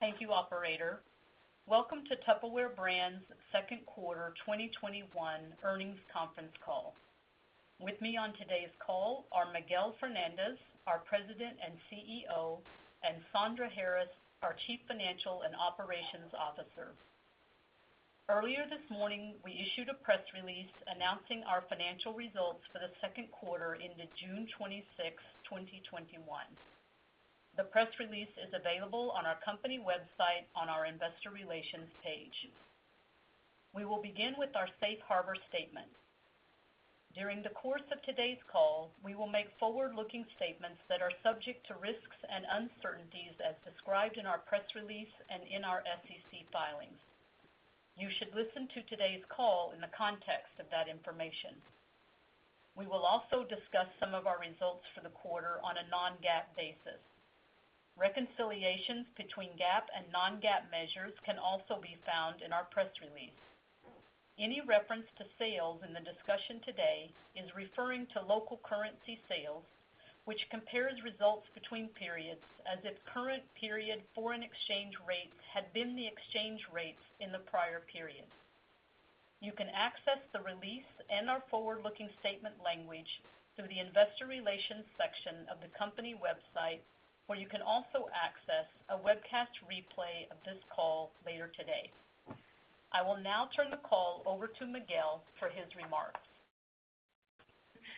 Thank you operator. Welcome to Tupperware Brands Second Quarter 2021 Earnings Conference Call. With me on today's call are Miguel Fernandez, our President and CEO, and Sandra Harris, our Chief Financial and Operations Officer. Earlier this morning, we issued a press release announcing our financial results for the second quarter ended June 26th, 2021. The press release is available on our company website on our investor relations page. We will begin with our safe harbor statement. During the course of today's call, we will make forward-looking statements that are subject to risks and uncertainties as described in our press release and in our SEC filings. You should listen to today's call in the context of that information. We will also discuss some of our results for the quarter on a non-GAAP basis. Reconciliations between GAAP and non-GAAP measures can also be found in our press release. Any reference to sales in the discussion today is referring to local currency sales, which compares results between periods as if current period foreign exchange rates had been the exchange rates in the prior period. You can access the release and our forward-looking statement language through the investor relations section of the company website, where you can also access a webcast replay of this call later today. I will now turn the call over to Miguel for his remarks.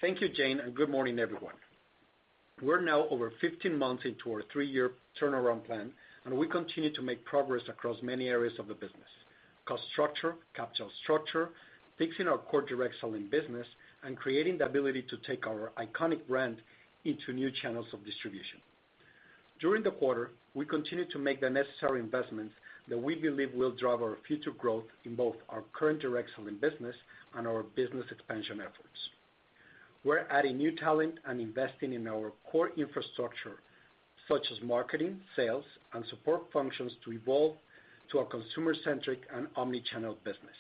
Thank you, Jane, and good morning, everyone. We're now over 15 months into our three-year turnaround plan, and we continue to make progress across many areas of the business. Cost structure, capital structure, fixing our core direct selling business, and creating the ability to take our iconic brand into new channels of distribution. During the quarter, we continued to make the necessary investments that we believe will drive our future growth in both our current direct selling business and our business expansion efforts. We're adding new talent and investing in our core infrastructure, such as marketing, sales, and support functions, to evolve to a consumer-centric and omni-channel business.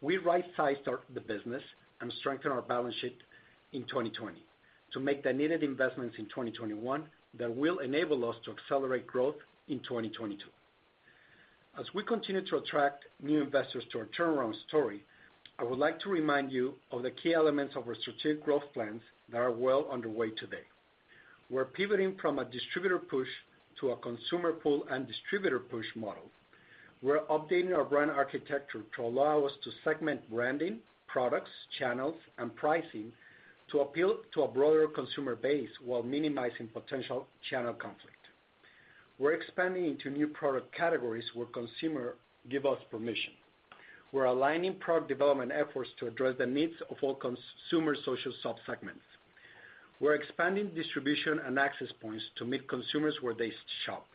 We right-sized the business and strengthened our balance sheet in 2020 to make the needed investments in 2021 that will enable us to accelerate growth in 2022. As we continue to attract new investors to our turnaround story, I would like to remind you of the key elements of our strategic growth plans that are well underway today. We're pivoting from a distributor push to a consumer pull and distributor push model. We're updating our brand architecture to allow us to segment branding, products, channels, and pricing to appeal to a broader consumer base while minimizing potential channel conflict. We're expanding into new product categories where consumers give us permission. We're aligning product development efforts to address the needs of all consumer social subsegments. We're expanding distribution and access points to meet consumers where they shop.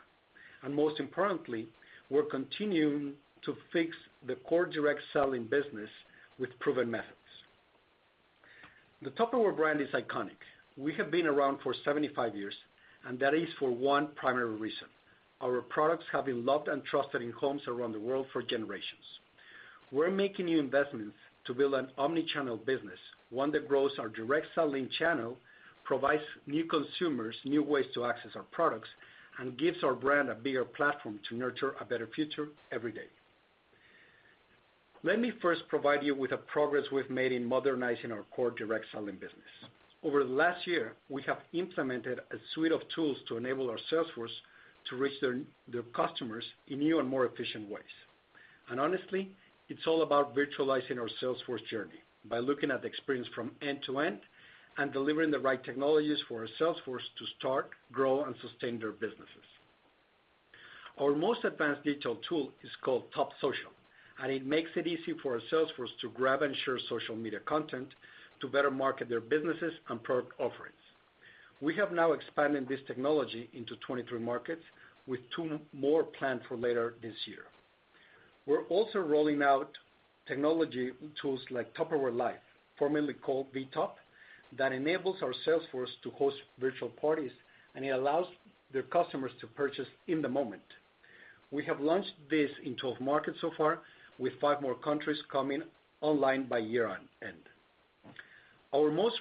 Most importantly, we're continuing to fix the core direct selling business with proven methods. The Tupperware brand is iconic. We have been around for 75 years, and that is for one primary reason: Our products have been loved and trusted in homes around the world for generations. We're making new investments to build an omni-channel business, one that grows our direct selling channel, provides new consumers new ways to access our products, and gives our brand a bigger platform to nurture a better future every day. Let me first provide you with the progress we've made in modernizing our core direct selling business. Over the last year, we have implemented a suite of tools to enable our sales force to reach their customers in new and more efficient ways. Honestly, it's all about virtualizing our sales force journey by looking at the experience from end to end and delivering the right technologies for our sales force to start, grow, and sustain their businesses. Our most advanced digital tool is called TuppSocial. It makes it easy for our sales force to grab and share social media content to better market their businesses and product offerings. We have now expanded this technology into 23 markets, with two more planned for later this year. We're also rolling out technology tools like Tupperware Live, formerly called vTup, that enables our sales force to host virtual parties. It allows their customers to purchase in the moment. We have launched this in 12 markets so far, with five more countries coming online by year-end. Our most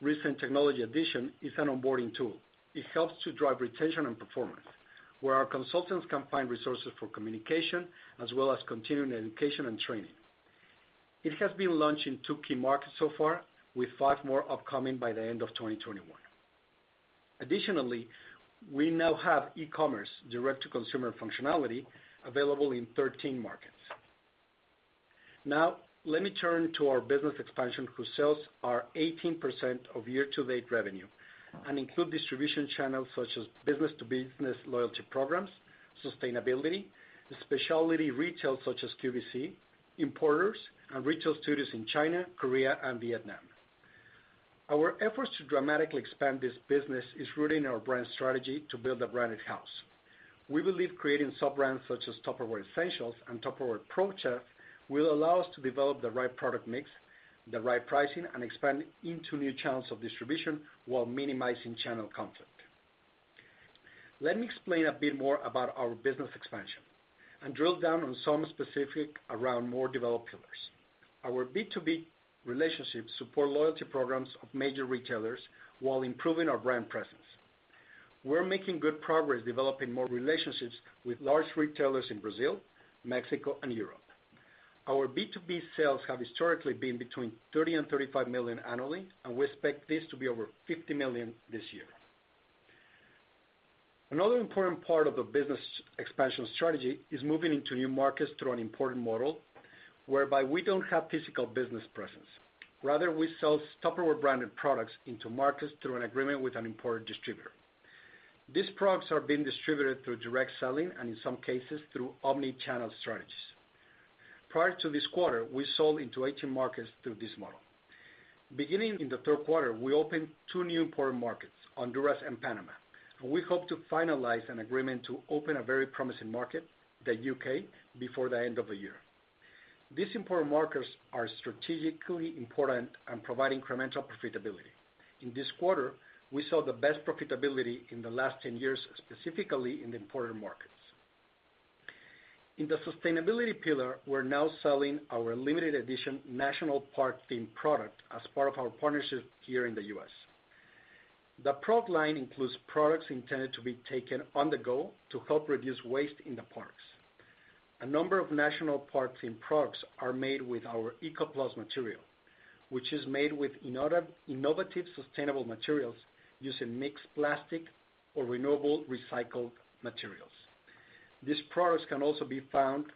recent technology addition is an onboarding tool. It helps to drive retention and performance, where our consultants can find resources for communication, as well as continuing education and training. It has been launched in two key markets so far, with five more upcoming by the end of 2021. Additionally, we now have e-commerce direct-to-consumer functionality available in 13 markets. Now, let me turn to our business expansion, whose sales are 18% of year-to-date revenue and include distribution channels such as business-to-business loyalty programs, sustainability, specialty retail such as QVC, importers, and retail stores in China, Korea, and Vietnam. Our efforts to dramatically expand this business is rooting our brand strategy to build a branded house. We believe creating sub-brands such as Tupperware Essentials and Tupperware Chef Series will allow us to develop the right product mix, the right pricing, and expand into new channels of distribution while minimizing channel conflict. Let me explain a bit more about our business expansion and drill down on some specific around more developed pillars. Our B2B relationships support loyalty programs of major retailers while improving our brand presence. We're making good progress developing more relationships with large retailers in Brazil, Mexico, and Europe. Our B2B sales have historically been between $30 million and $35 million annually. We expect this to be over $50 million this year. Another important part of the business expansion strategy is moving into new markets through an importer model whereby we don't have physical business presence. Rather, we sell Tupperware branded products into markets through an agreement with an importer distributor. These products are being distributed through direct selling and, in some cases, through omni-channel strategies. Prior to this quarter, we sold into 18 markets through this model. Beginning in the third quarter, we opened two new importer markets, Honduras and Panama. We hope to finalize an agreement to open a very promising market, the U.K., before the end of the year. These importer markets are strategically important and provide incremental profitability. In this quarter, we saw the best profitability in the last 10 years, specifically in the importer markets. In the sustainability pillar, we're now selling our limited edition national park-themed product as part of our partnership here in the U.S. The product line includes products intended to be taken on the go to help reduce waste in the parks. A number of national park-themed products are made with our ECO+ material, which is made with innovative, sustainable materials using mixed plastic or renewable recycled materials. These products can also be found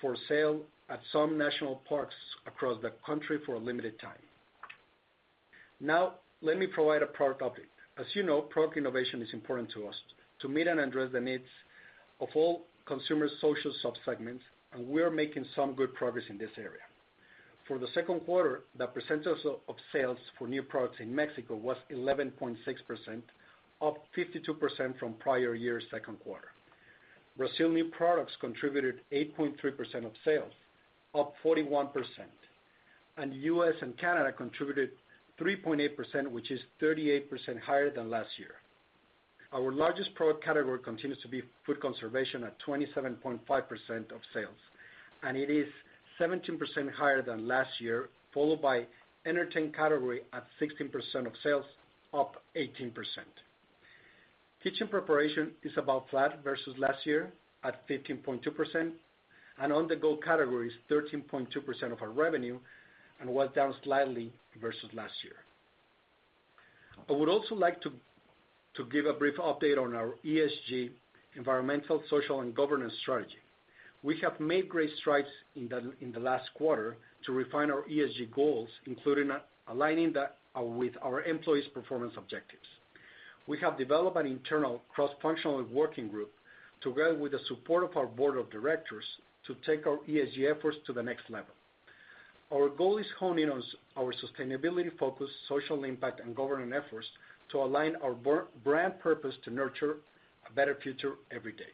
for sale at some national parks across the country for a limited time. Now, let me provide a product update. As you know, product innovation is important to us to meet and address the needs of all consumer social sub-segments, and we are making some good progress in this area. For the second quarter, the percentage of sales for new products in Mexico was 11.6%, up 52% from prior year second quarter. Brazil new products contributed 8.3% of sales, up 41%. U.S. and Canada contributed 3.8%, which is 38% higher than last year. Our largest product category continues to be food conservation at 27.5% of sales, and it is 17% higher than last year, followed by entertain category at 16% of sales, up 18%. Kitchen preparation is about flat versus last year at 15.2%, and on-the-go category is 13.2% of our revenue and was down slightly versus last year. I would also like to give a brief update on our ESG, environmental, social, and governance strategy. We have made great strides in the last quarter to refine our ESG goals, including aligning that with our employees' performance objectives. We have developed an internal cross-functional working group together with the support of our board of directors to take our ESG efforts to the next level. Our goal is honing our sustainability focus, social impact, and governance efforts to align our brand purpose to nurture a better future every day.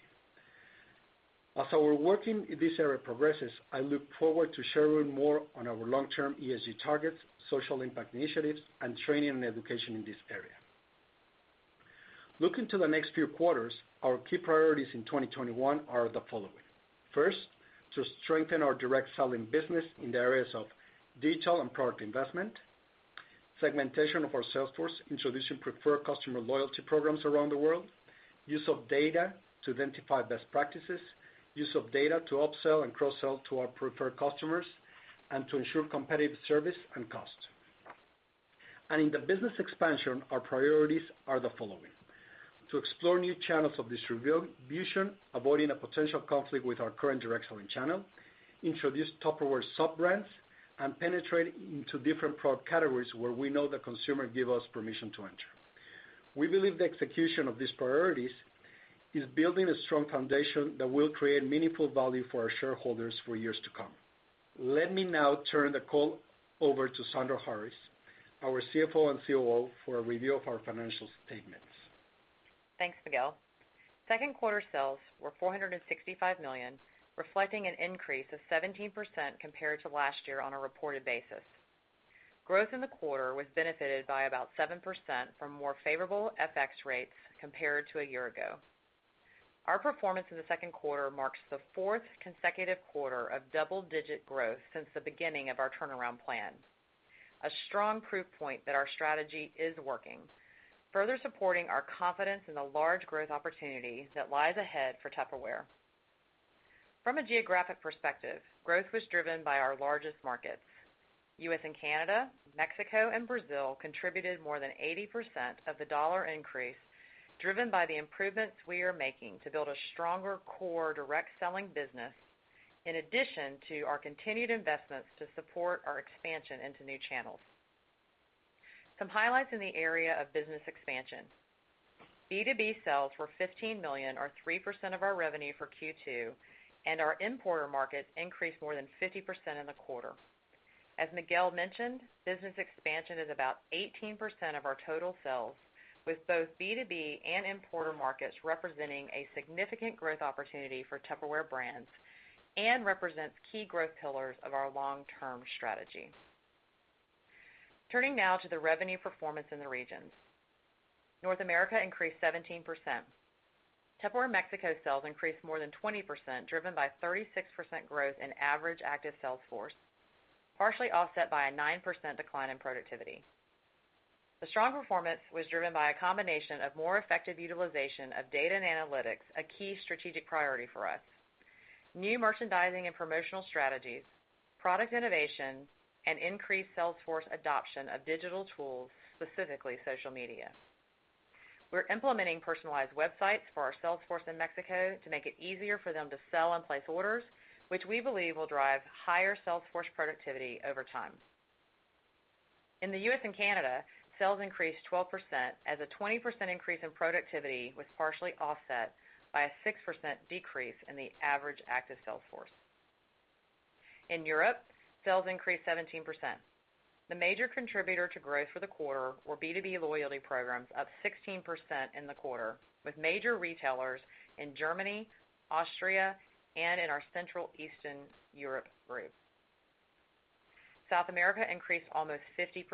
As our work in this area progresses, I look forward to sharing more on our long-term ESG targets, social impact initiatives, and training and education in this area. Looking to the next few quarters, our key priorities in 2021 are the following. First, to strengthen our direct selling business in the areas of detail and product investment, segmentation of our sales force, introducing preferred customer loyalty programs around the world, use of data to identify best practices, use of data to upsell and cross-sell to our preferred customers, and to ensure competitive service and cost. In the business expansion, our priorities are the following, to explore new channels of distribution, avoiding a potential conflict with our current direct selling channel, introduce Tupperware sub-brands, and penetrate into different product categories where we know the consumer give us permission to enter. We believe the execution of these priorities is building a strong foundation that will create meaningful value for our shareholders for years to come. Let me now turn the call over to Sandra Harris, our CFO and COO, for a review of our financial statements. Thanks, Miguel. Second quarter sales were $465 million, reflecting an increase of 17% compared to last year on a reported basis. Growth in the quarter was benefited by about 7% from more favorable FX rates compared to a year ago. Our performance in the second quarter marks the fourth consecutive quarter of double-digit growth since the beginning of our turnaround plan, a strong proof point that our strategy is working, further supporting our confidence in the large growth opportunity that lies ahead for Tupperware. From a geographic perspective, growth was driven by our largest markets. U.S. and Canada, Mexico, and Brazil contributed more than 80% of the dollar increase, driven by the improvements we are making to build a stronger core direct selling business, in addition to our continued investments to support our expansion into new channels. Some highlights in the area of business expansion. B2B sales were $15 million, or 3% of our revenue for Q2. Our importer markets increased more than 50% in the quarter. As Miguel mentioned, business expansion is about 18% of our total sales, with both B2B and importer markets representing a significant growth opportunity for Tupperware Brands and represents key growth pillars of our long-term strategy. Turning now to the revenue performance in the regions. North America increased 17%. Tupperware Mexico sales increased more than 20%, driven by 36% growth in average active sales force, partially offset by a 9% decline in productivity. The strong performance was driven by a combination of more effective utilization of data and analytics, a key strategic priority for us, new merchandising and promotional strategies, product innovation, and increased sales force adoption of digital tools, specifically social media. We're implementing personalized websites for our sales force in Mexico to make it easier for them to sell and place orders, which we believe will drive higher sales force productivity over time. In the U.S. and Canada, sales increased 12% as a 20% increase in productivity was partially offset by a 6% decrease in the average active sales force. In Europe, sales increased 17%. The major contributor to growth for the quarter were B2B loyalty programs, up 16% in the quarter, with major retailers in Germany, Austria, and in our Central Eastern Europe group. South America increased almost 50%,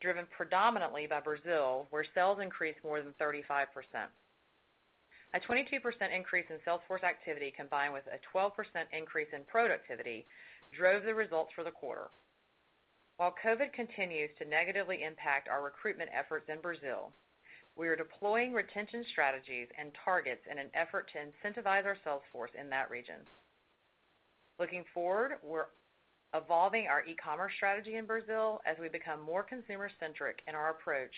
driven predominantly by Brazil, where sales increased more than 35%. A 22% increase in sales force activity, combined with a 12% increase in productivity, drove the results for the quarter. While COVID continues to negatively impact our recruitment efforts in Brazil, we are deploying retention strategies and targets in an effort to incentivize our sales force in that region. Looking forward, we're evolving our e-commerce strategy in Brazil as we become more consumer-centric in our approach,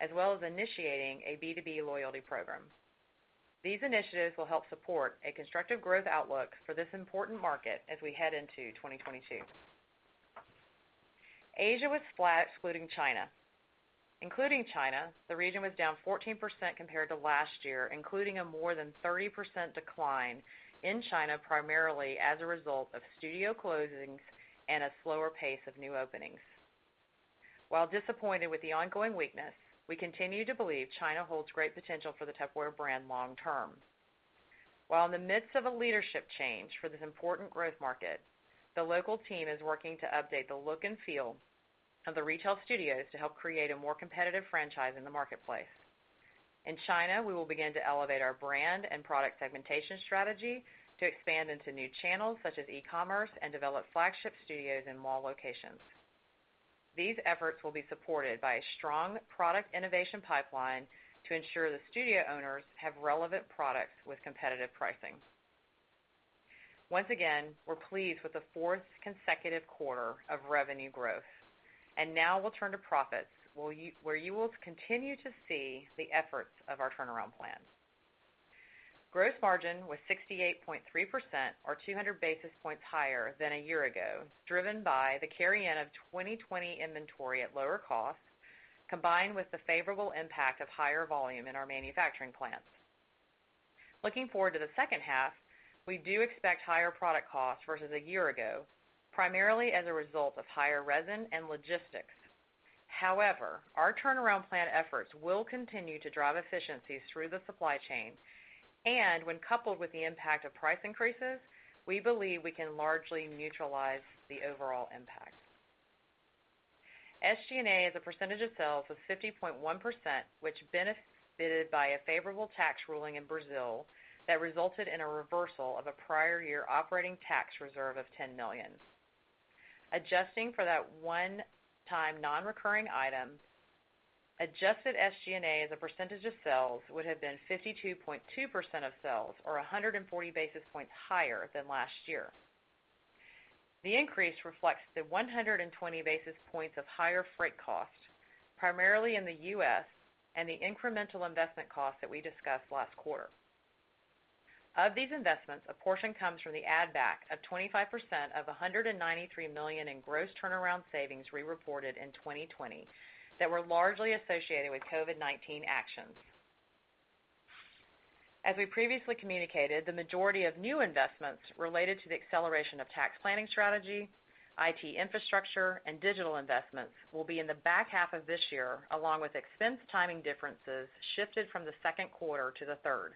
as well as initiating a B2B loyalty program. These initiatives will help support a constructive growth outlook for this important market as we head into 2022. Asia was flat, excluding China. Including China, the region was down 14% compared to last year, including a more than 30% decline in China, primarily as a result of studio closings and a slower pace of new openings. While disappointed with the ongoing weakness, we continue to believe China holds great potential for the Tupperware brand long term. While in the midst of a leadership change for this important growth market, the local team is working to update the look and feel of the retail studios to help create a more competitive franchise in the marketplace. In China, we will begin to elevate our brand and product segmentation strategy to expand into new channels such as e-commerce and develop flagship studios in mall locations. These efforts will be supported by a strong product innovation pipeline to ensure the studio owners have relevant products with competitive pricing. Once again, we're pleased with the fourth consecutive quarter of revenue growth, and now we'll turn to profits, where you will continue to see the efforts of our turnaround plan. Gross margin was 68.3%, or 200 basis points higher than a year ago, driven by the carry-in of 2020 inventory at lower cost, combined with the favorable impact of higher volume in our manufacturing plants. Looking forward to the second half, we do expect higher product costs versus a year ago, primarily as a result of higher resin and logistics. However, our turnaround plan efforts will continue to drive efficiencies through the supply chain, and when coupled with the impact of price increases, we believe we can largely neutralize the overall impact. SG&A as a percentage of sales was 50.1%, which benefited by a favorable tax ruling in Brazil that resulted in a reversal of a prior year operating tax reserve of $10 million. Adjusting for that one-time non-recurring item, adjusted SG&A as a percentage of sales would have been 52.2% of sales, or 140 basis points higher than last year. The increase reflects the 120 basis points of higher freight costs, primarily in the U.S., and the incremental investment costs that we discussed last quarter. Of these investments, a portion comes from the add-back of 25% of $193 million in gross turnaround savings re-reported in 2020 that were largely associated with COVID-19 actions. As we previously communicated, the majority of new investments related to the acceleration of tax planning strategy, IT infrastructure, and digital investments will be in the back half of this year, along with expense timing differences shifted from the second quarter to the third.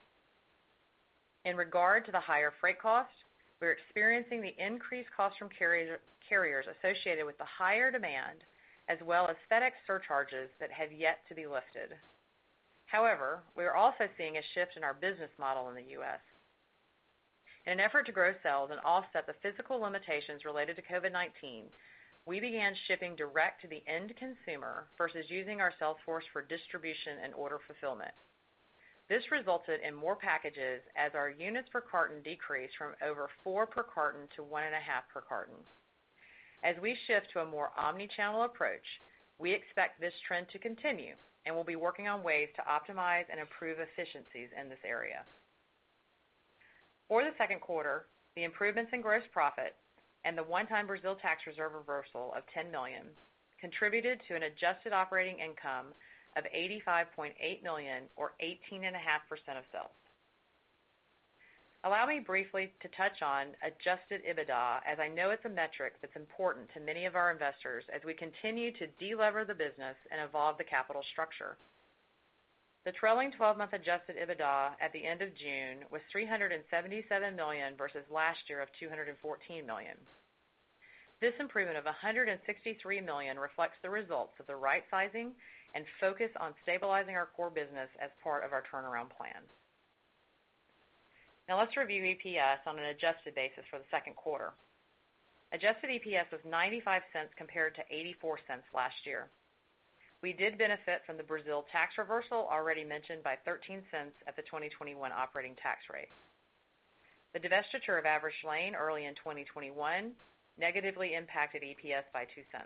In regard to the higher freight costs, we are experiencing the increased costs from carriers associated with the higher demand, as well as FedEx surcharges that have yet to be lifted. We are also seeing a shift in our business model in the U.S. In an effort to grow sales and offset the physical limitations related to COVID-19, we began shipping direct to the end consumer versus using our sales force for distribution and order fulfillment. This resulted in more packages as our units per carton decreased from over four per carton to one and a half per carton. As we shift to a more omni-channel approach, we expect this trend to continue, and we'll be working on ways to optimize and improve efficiencies in this area. For the second quarter, the improvements in gross profit and the one-time Brazil tax reserve reversal of $10 million contributed to an adjusted operating income of $85.8 million, or 18.5% of sales. Allow me briefly to touch on adjusted EBITDA, as I know it's a metric that's important to many of our investors as we continue to de-lever the business and evolve the capital structure. The trailing 12-month adjusted EBITDA at the end of June was $377 million versus last year of $214 million. This improvement of $163 million reflects the results of the rightsizing and focus on stabilizing our core business as part of our turnaround plan. Now let's review EPS on an adjusted basis for the second quarter. Adjusted EPS was $0.95 compared to $0.84 last year. We did benefit from the Brazil tax reversal already mentioned by $0.13 at the 2021 operating tax rate. The divestiture of Avroy Shlain early in 2021 negatively impacted EPS by $0.02.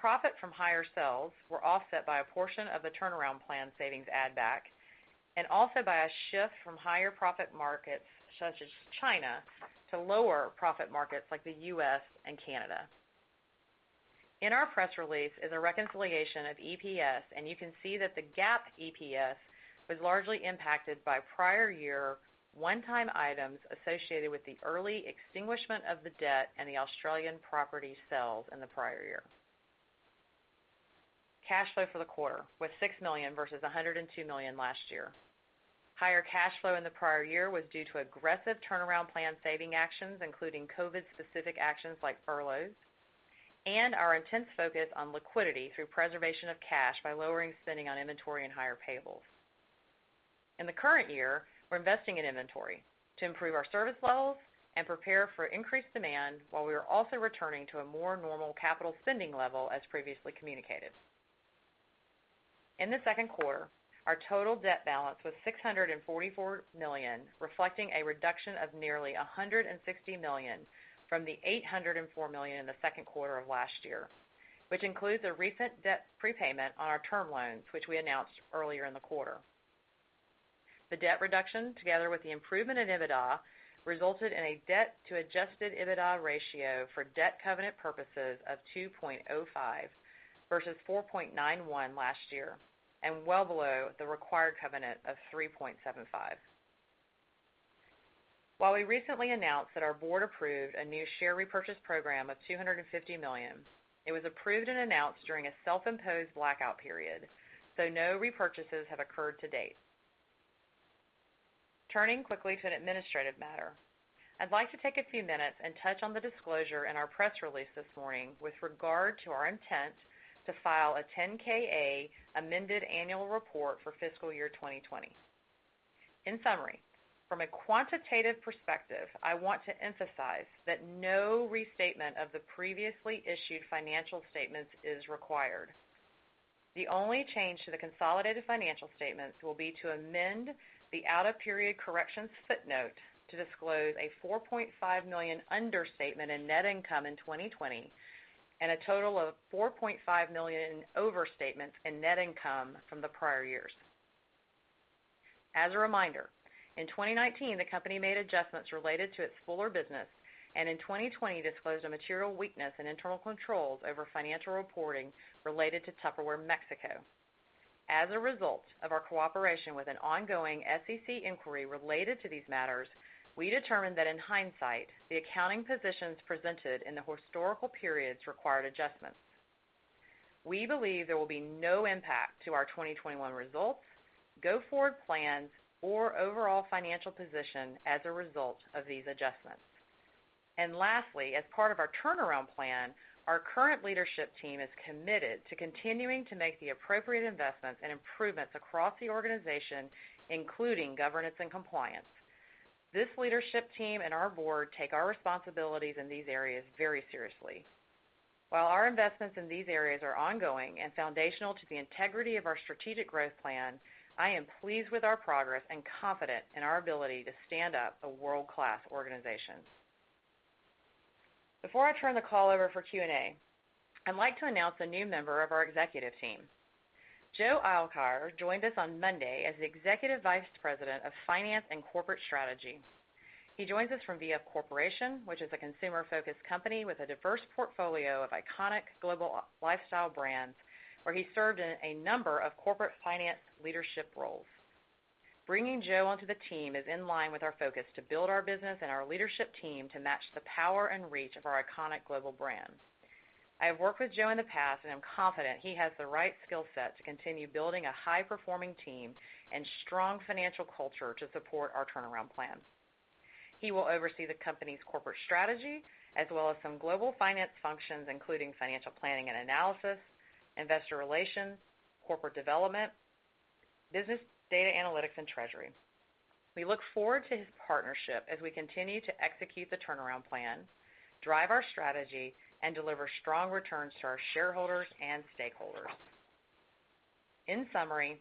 Profit from higher sales were offset by a portion of the turnaround plan savings add back, also by a shift from higher profit markets such as China to lower profit markets like the U.S. and Canada. In our press release is a reconciliation of EPS, you can see that the GAAP EPS was largely impacted by prior year one-time items associated with the early extinguishment of the debt and the Australian property sales in the prior year. Cash flow for the quarter was $6 million versus $102 million last year. Higher cash flow in the prior year was due to aggressive turnaround plan saving actions, including COVID-specific actions like furloughs and our intense focus on liquidity through preservation of cash by lowering spending on inventory and higher payables. In the current year, we're investing in inventory to improve our service levels and prepare for increased demand while we are also returning to a more normal capital spending level as previously communicated. In the second quarter, our total debt balance was $644 million, reflecting a reduction of nearly $160 million from the $804 million in the second quarter of last year, which includes a recent debt prepayment on our term loans, which we announced earlier in the quarter. The debt reduction, together with the improvement in EBITDA, resulted in a debt to adjusted EBITDA ratio for debt covenant purposes of 2.05 versus 4.91 last year and well below the required covenant of 3.75. While we recently announced that our board approved a new share repurchase program of $250 million, it was approved and announced during a self-imposed blackout period, so no repurchases have occurred to date. Turning quickly to an administrative matter. I'd like to take a few minutes and touch on the disclosure in our press release this morning with regard to our intent to file a 10-K/A amended annual report for fiscal year 2020. In summary, from a quantitative perspective, I want to emphasize that no restatement of the previously issued financial statements is required. The only change to the consolidated financial statements will be to amend the out-of-period corrections footnote to disclose a $4.5 million understatement in net income in 2020 and a total of $4.5 million overstatements in net income from the prior years. As a reminder, in 2019, the company made adjustments related to its Fuller business, and in 2020 disclosed a material weakness in internal controls over financial reporting related to Tupperware Mexico. As a result of our cooperation with an ongoing SEC inquiry related to these matters, we determined that in hindsight, the accounting positions presented in the historical periods required adjustments. We believe there will be no impact to our 2021 results, go-forward plans, or overall financial position as a result of these adjustments. Lastly, as part of our turnaround plan, our current leadership team is committed to continuing to make the appropriate investments and improvements across the organization, including governance and compliance. This leadership team and our board take our responsibilities in these areas very seriously. While our investments in these areas are ongoing and foundational to the integrity of our strategic growth plan, I am pleased with our progress and confident in our ability to stand up a world-class organization. Before I turn the call over for Q&A, I'd like to announce a new member of our executive team. Joe Ilacqua joined us on Monday as the Executive Vice President of Finance and Corporate Strategy. He joins us from VF Corporation, which is a consumer-focused company with a diverse portfolio of iconic global lifestyle brands, where he served in a number of corporate finance leadership roles. Bringing Joe onto the team is in line with our focus to build our business and our leadership team to match the power and reach of our iconic global brands. I have worked with Joe in the past, and I'm confident he has the right skill set to continue building a high-performing team and strong financial culture to support our turnaround plan. He will oversee the company's corporate strategy as well as some global finance functions, including financial planning and analysis, investor relations, corporate development, business data analytics, and treasury. We look forward to his partnership as we continue to execute the turnaround plan, drive our strategy, and deliver strong returns to our shareholders and stakeholders. In summary,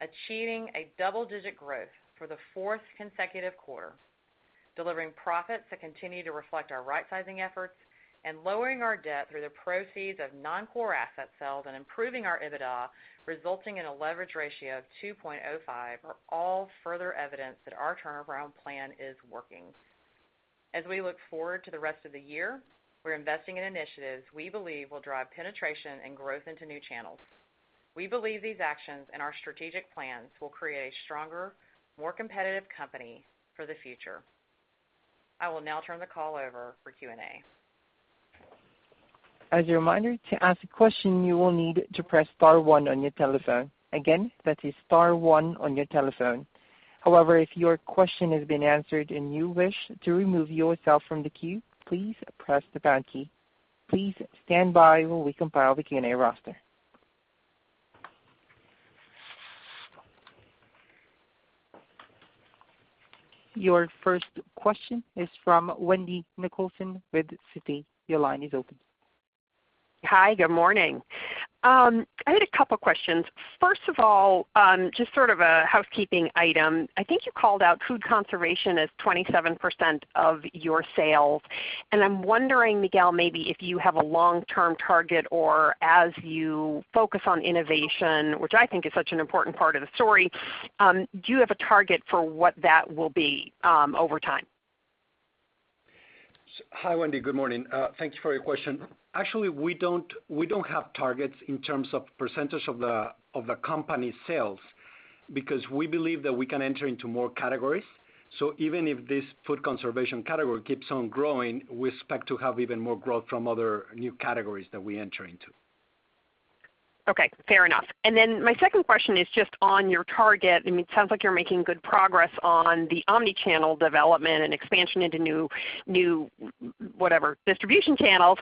achieving a double-digit growth for the fourth consecutive quarter, delivering profits that continue to reflect our rightsizing efforts, and lowering our debt through the proceeds of non-core asset sales and improving our EBITDA, resulting in a leverage ratio of 2.05, are all further evidence that our turnaround plan is working. As we look forward to the rest of the year, we're investing in initiatives we believe will drive penetration and growth into new channels. We believe these actions and our strategic plans will create a stronger, more competitive company for the future. I will now turn the call over for Q&A. Your first question is from Wendy Nicholson with Citi. Your line is open. Hi, good morning. I had a couple questions. First of all, just sort of a housekeeping item. I think you called out food conservation as 27% of your sales, and I'm wondering, Miguel, maybe if you have a long-term target or as you focus on innovation, which I think is such an important part of the story, do you have a target for what that will be over time? Hi, Wendy. Good morning. Thanks for your question. Actually, we don't have targets in terms of percentage of the company sales because we believe that we can enter into more categories. Even if this food conservation category keeps on growing, we expect to have even more growth from other new categories that we enter into. Okay, fair enough. My second question is just on your target. It sounds like you're making good progress on the omni-channel development and expansion into new distribution channels.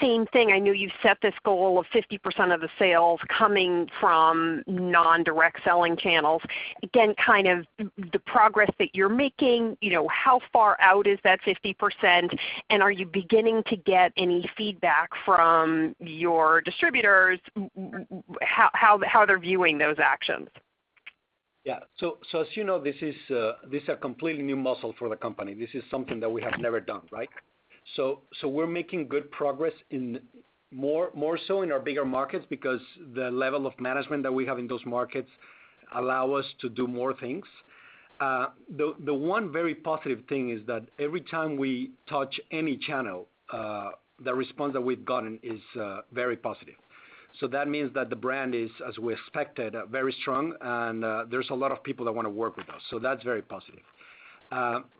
Same thing, I know you've set this goal of 50% of the sales coming from non-direct selling channels. Again, kind of the progress that you're making, how far out is that 50% and are you beginning to get any feedback from your distributors, how they're viewing those actions? Yeah. As you know, this is a completely new muscle for the company. This is something that we have never done, right? We're making good progress more so in our bigger markets because the level of management that we have in those markets allow us to do more things. The one very positive thing is that every time we touch any channel, the response that we've gotten is very positive. That means that the brand is, as we expected, very strong and there's a lot of people that want to work with us. That's very positive.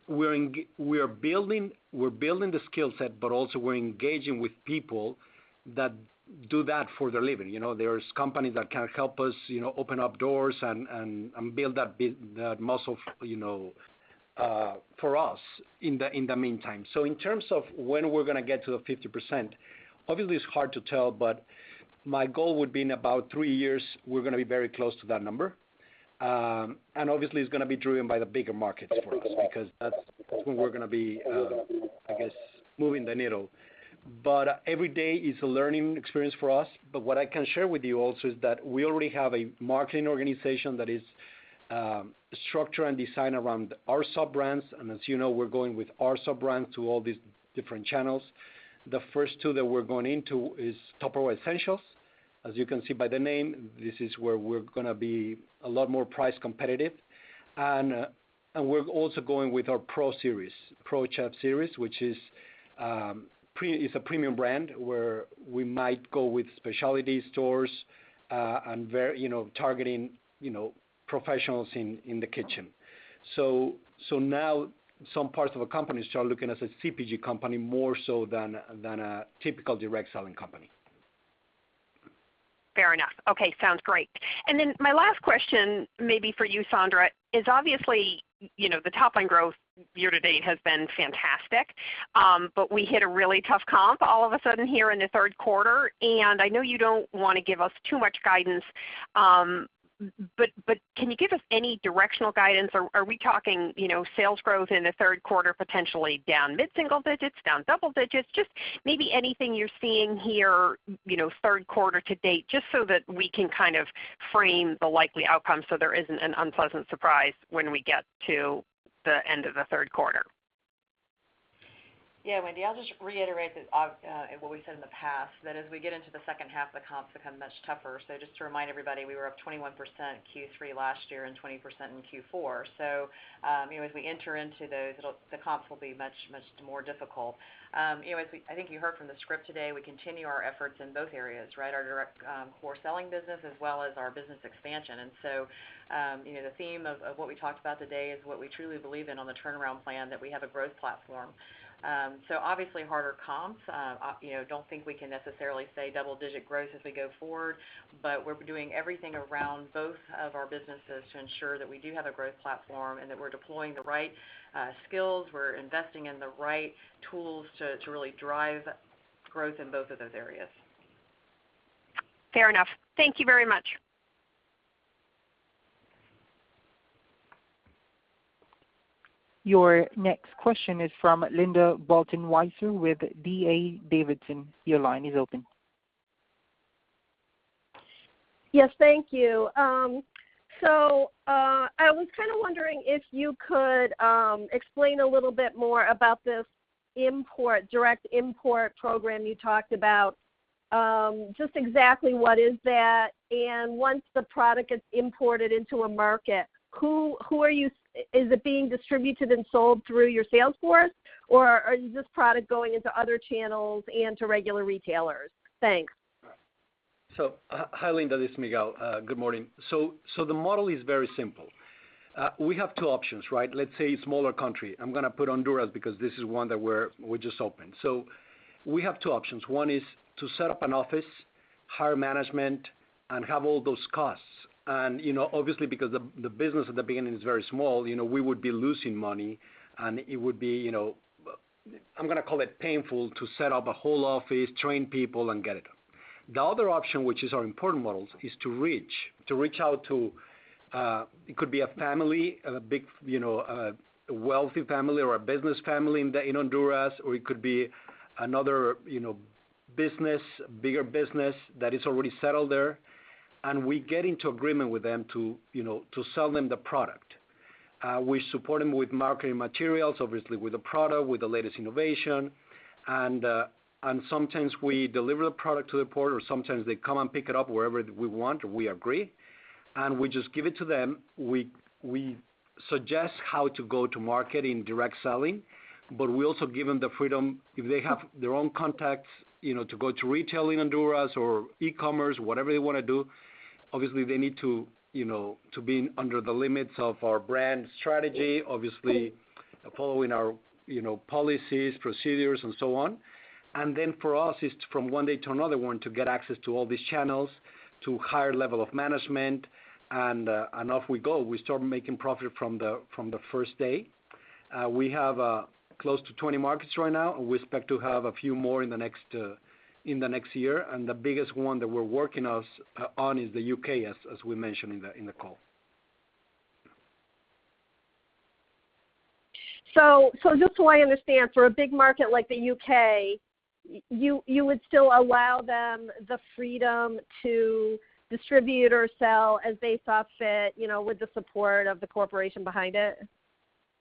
We're building the skill set, but also we're engaging with people that do that for their living. There's companies that can help us open up doors and build that muscle for us in the meantime. In terms of when we're going to get to the 50%, obviously it's hard to tell, but my goal would be in about three years, we're going to be very close to that number. Obviously it's going to be driven by the bigger markets for us, because that's when we're going to be, I guess, moving the needle. Every day is a learning experience for us. What I can share with you also is that we already have a marketing organization that is structured and designed around our sub-brands, and as you know, we're going with our sub-brands to all these different channels. The first two that we're going into is Tupperware Essentials. As you can see by the name, this is where we're going to be a lot more price competitive, and we're also going with our Pro Series, Chef Series, which is a premium brand where we might go with specialty stores and targeting professionals in the kitchen. Now some parts of a company start looking as a CPG company more so than a typical direct selling company. Fair enough. Okay, sounds great. My last question maybe for you, Sandra, is obviously, the top-line growth year-to-date has been fantastic. We hit a really tough comp all of a sudden here in the third quarter, and I know you don't want to give us too much guidance, but can you give us any directional guidance? Are we talking sales growth in the third quarter, potentially down mid-single digits, down double digits? Just maybe anything you're seeing here, third quarter-to-date, just so that we can kind of frame the likely outcome so there isn't an unpleasant surprise when we get to the end of the third quarter. Wendy, I'll just reiterate what we said in the past, that as we get into the second half, the comps become much tougher. Just to remind everybody, we were up 21% Q3 last year and 20% in Q4. As we enter into those, the comps will be much more difficult. I think you heard from the script today, we continue our efforts in both areas, right? Our direct core selling business as well as our business expansion. The theme of what we talked about today is what we truly believe in on the turnaround plan, that we have a growth platform. Obviously harder comps. I don't think we can necessarily say double-digit growth as we go forward, but we're doing everything around both of our businesses to ensure that we do have a growth platform and that we're deploying the right skills, we're investing in the right tools to really drive growth in both of those areas. Fair enough. Thank you very much. Your next question is from Linda Bolton Weiser with D.A. Davidson. Your line is open. Yes. Thank you. I was kind of wondering if you could explain a little bit more about this direct import program you talked about. Just exactly what is that, and once the product gets imported into a market, is it being distributed and sold through your sales force, or is this product going into other channels and to regular retailers? Thanks. Hi Linda, this is Miguel. Good morning. The model is very simple. We have two options, right? Let's say a smaller country. I'm going to put Honduras because this is 1 that we just opened. We have two options. 1 is to set up an office, hire management, and have all those costs. Obviously because the business at the beginning is very small, we would be losing money and it would be, I'm going to call it painful to set up a whole office, train people, and get it. The other option, which is our importer models, is to reach out to, it could be a family, a big wealthy family or a business family in Honduras, or it could be another bigger business that is already settled there. We get into agreement with them to sell them the product. We support them with marketing materials, obviously with the product, with the latest innovation. Sometimes we deliver the product to the port, or sometimes they come and pick it up wherever we want or we agree, and we just give it to them. We suggest how to go to market in direct selling, but we also give them the freedom, if they have their own contacts, to go to retail in Honduras or e-commerce, whatever they want to do. Obviously, they need to be under the limits of our brand strategy, obviously following our policies, procedures, and so on. For us, it's from one day to another one to get access to all these channels, to higher level of management, and off we go. We start making profit from the first day. We have close to 20 markets right now, we expect to have a few more in the next year. The biggest one that we're working on is the U.K., as we mentioned in the call. Just so I understand, for a big market like the U.K., you would still allow them the freedom to distribute or sell as they saw fit with the support of the corporation behind it?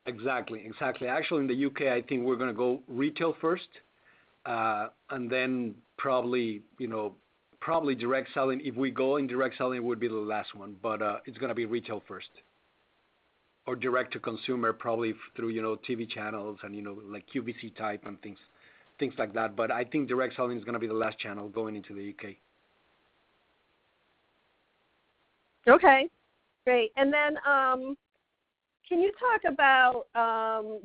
Exactly. Actually, in the U.K., I think we're going to go retail first, and then probably direct selling. If we go in direct selling, it would be the last one. It's going to be retail first. Direct to consumer, probably through TV channels and QVC type and things like that. I think direct selling is going to be the last channel going into the U.K. Okay, great. Can you talk about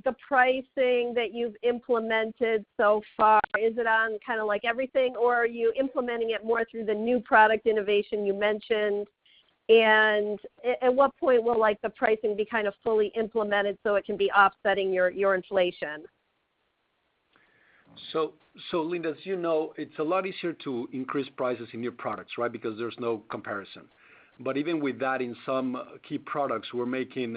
the pricing that you've implemented so far? Is it on kind of everything, or are you implementing it more through the new product innovation you mentioned? At what point will the pricing be kind of fully implemented so it can be offsetting your inflation? Linda, as you know, it's a lot easier to increase prices in new products, right? Because there's no comparison. Even with that, in some key products, we're making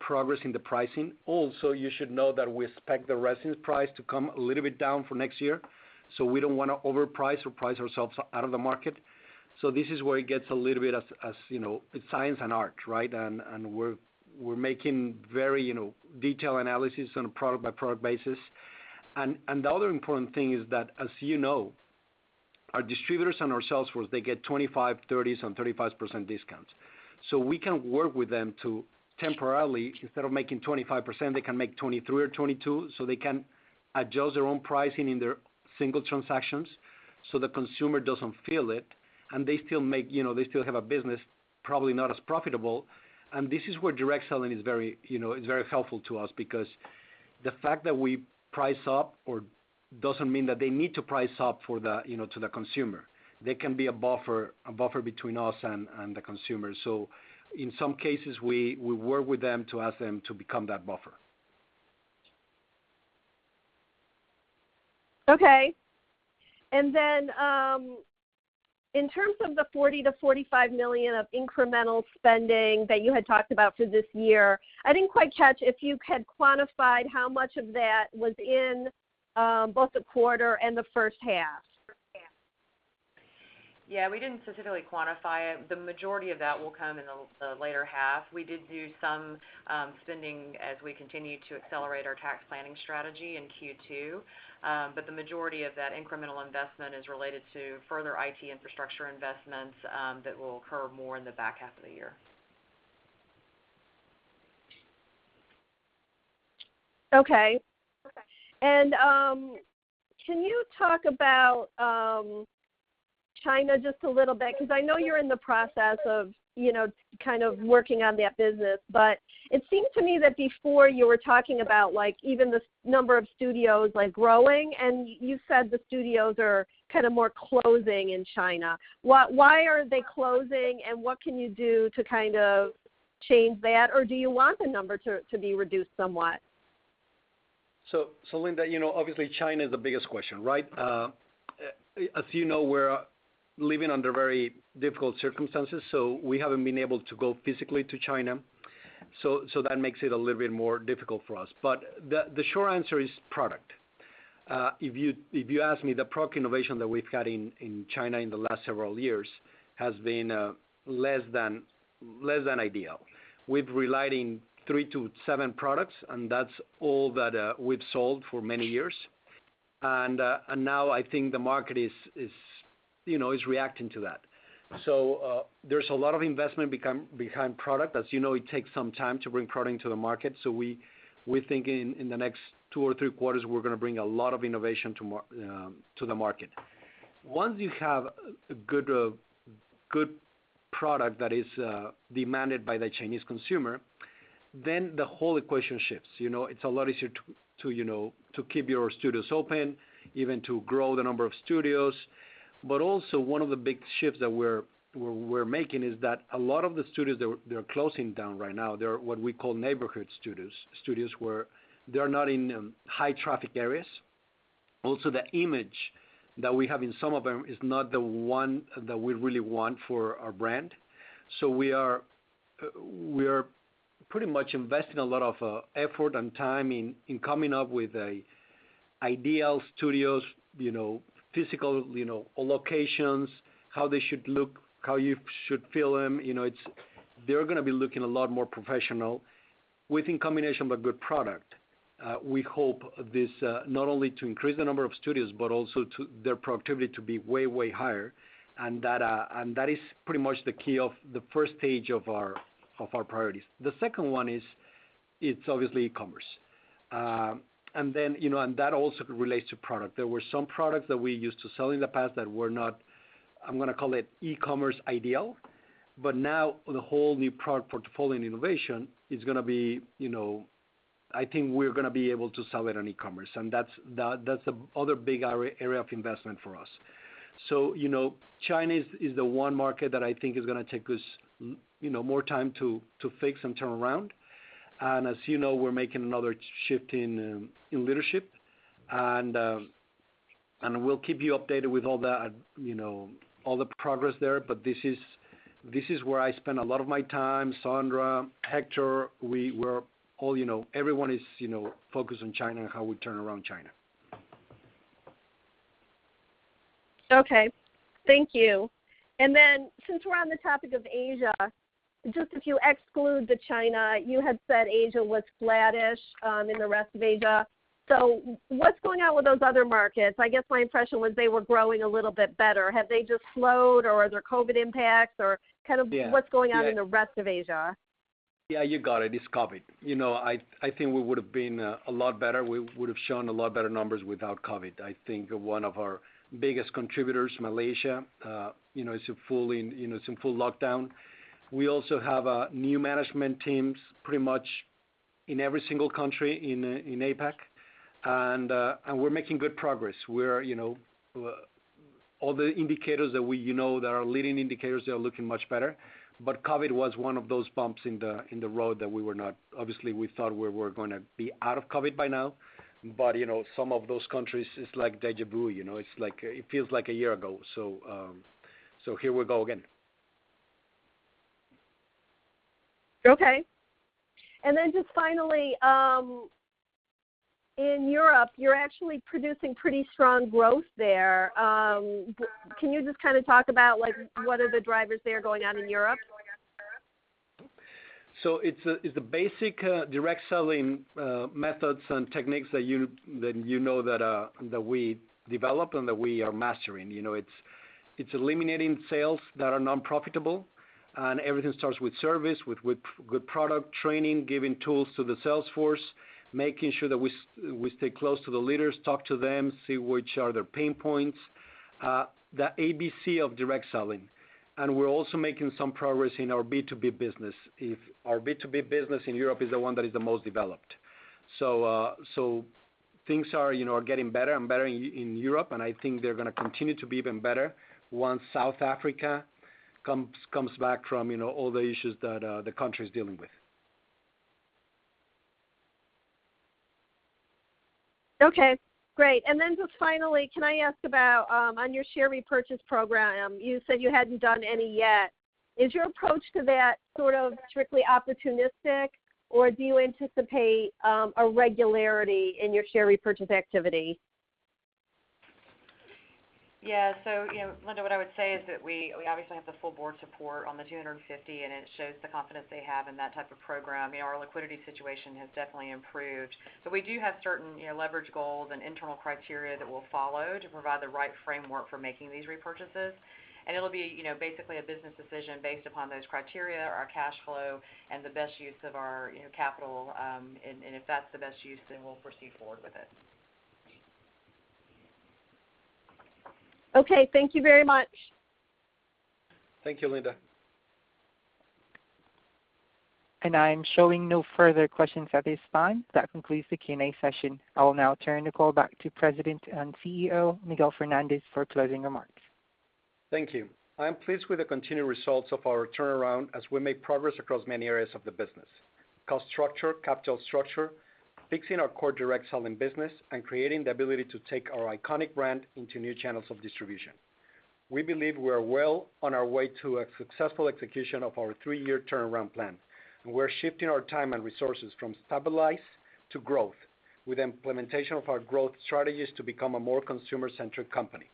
progress in the pricing. Also, you should know that we expect the resins price to come a little bit down for next year. We don't want to overprice or price ourselves out of the market. This is where it gets a little bit as science and art, right? We're making very detailed analysis on a product-by-product basis. The other important thing is that, as you know, our distributors and our sales force, they get 25%, 30%, and 35% discounts. We can work with them to temporarily, instead of making 25%, they can make 23% or 22%, so they can adjust their own pricing in their single transactions so the consumer doesn't feel it, and they still have a business, probably not as profitable. This is where direct selling is very helpful to us because the fact that we price up or doesn't mean that they need to price up to the consumer. They can be a buffer between us and the consumer. In some cases, we work with them to ask them to become that buffer. Okay. Then, in terms of the $40 million-$45 million of incremental spending that you had talked about for this year, I didn't quite catch if you had quantified how much of that was in both the quarter and the first half. We didn't specifically quantify it. The majority of that will come in the later half. We did do some spending as we continued to accelerate our tax planning strategy in Q2. The majority of that incremental investment is related to further IT infrastructure investments that will occur more in the back half of the year. Okay. Can you talk about China just a little bit? I know you're in the process of kind of working on that business. It seemed to me that before you were talking about even the number of studios growing, and you said the studios are kind of more closing in China. Why are they closing, and what can you do to kind of change that? Do you want the number to be reduced somewhat? Linda, obviously China is the biggest question, right? As you know, we're living under very difficult circumstances, so we haven't been able to go physically to China. That makes it a little bit more difficult for us. The short answer is product. If you ask me, the product innovation that we've had in China in the last several years has been less than ideal. We've relied on three to seven products, and that's all that we've sold for many years. Now I think the market is reacting to that. There's a lot of investment behind product. As you know, it takes some time to bring product to the market. We're thinking in the next two or three quarters, we're going to bring a lot of innovation to the market. Once you have a Good product that is demanded by the Chinese consumer, the whole equation shifts. It's a lot easier to keep your studios open, even to grow the number of studios. Also, one of the big shifts that we're making is that a lot of the studios that are closing down right now, they're what we call neighborhood studios. Studios where they're not in high traffic areas. Also, the image that we have in some of them is not the one that we really want for our brand. We are pretty much investing a lot of effort and time in coming up with ideal studios, physical locations, how they should look, how you should feel them. They're going to be looking a lot more professional. We think combination of a good product, we hope this not only to increase the number of studios, but also their productivity to be way higher. That is pretty much the key of the first stage of our priorities. The second one is obviously e-commerce. That also relates to product. There were some products that we used to sell in the past that were not, I'm going to call it e-commerce ideal, but now the whole new product portfolio and innovation is going to be, I think we're going to be able to sell it on e-commerce. That's the other big area of investment for us. China is the one market that I think is going to take us more time to fix and turn around. As you know, we're making another shift in leadership. We'll keep you updated with all the progress there. This is where I spend a lot of my time. Sandra, Hector, everyone is focused on China and how we turn around China. Okay. Thank you. Since we're on the topic of Asia, just if you exclude China, you had said Asia was flattish in the rest of Asia. What's going on with those other markets? I guess my impression was they were growing a little bit better. Have they just slowed or are there COVID impacts? Yeah what's going on in the rest of Asia? Yeah, you got it. It's COVID. I think we would've been a lot better, we would've shown a lot better numbers without COVID. I think one of our biggest contributors, Malaysia, it's in full lockdown. We also have new management teams pretty much in every single country in APAC, and we're making good progress. All the indicators that are leading indicators, they are looking much better. COVID was one of those bumps in the road. Obviously, we thought we were going to be out of COVID by now, but some of those countries, it's like deja vu. It feels like a year ago. Here we go again. Okay. Just finally, in Europe, you're actually producing pretty strong growth there. Can you just kind of talk about what are the drivers there going on in Europe? It's the basic direct selling methods and techniques that you know that we developed and that we are mastering. It's eliminating sales that are non-profitable, and everything starts with service, with good product training, giving tools to the sales force, making sure that we stay close to the leaders, talk to them, see which are their pain points, the ABC of direct selling. We're also making some progress in our B2B business. Our B2B business in Europe is the one that is the most developed. Things are getting better and better in Europe, and I think they're going to continue to be even better once South Africa comes back from all the issues that the country's dealing with. Okay, great. Just finally, can I ask about, on your share repurchase program, you said you hadn't done any yet. Is your approach to that sort of strictly opportunistic, or do you anticipate a regularity in your share repurchase activity? Yeah. Linda, what I would say is that we obviously have the full board support on the $250, and it shows the confidence they have in that type of program. Our liquidity situation has definitely improved. We do have certain leverage goals and internal criteria that we'll follow to provide the right framework for making these repurchases. It'll be basically a business decision based upon those criteria, our cash flow and the best use of our capital. If that's the best use, then we'll proceed forward with it. Okay. Thank you very much. Thank you, Linda. I'm showing no further questions at this time. That concludes the Q&A session. I will now turn the call back to President and CEO, Miguel Fernandez, for closing remarks. Thank you. I am pleased with the continued results of our turnaround as we make progress across many areas of the business. Cost structure, capital structure, fixing our core direct selling business, and creating the ability to take our iconic brand into new channels of distribution. We believe we are well on our way to a successful execution of our three-year turnaround plan, and we're shifting our time and resources from stabilize to growth with implementation of our growth strategies to become a more consumer-centric company.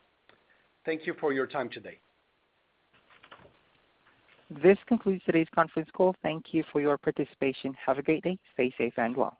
Thank you for your time today. This concludes today's conference call. Thank you for your participation. Have a great day. Stay safe and well.